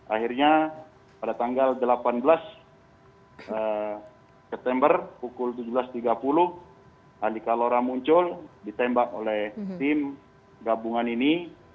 akhirnya pada tanggal delapan belas september pukul tujuh belas tiga puluh andika lora muncul ditembak oleh tim gabungan ini